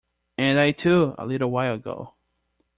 And I too, a little while ago.